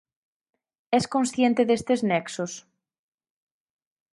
Es consciente destes nexos?